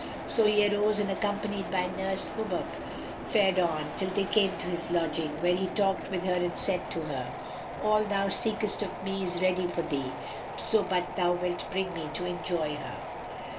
So he arose and accompanied by nurse Hubub fared on, till they came to his lodging, where he talked with her and said to her, "All thou seekest of me is ready for thee, so but thou wilt bring me to enjoy her."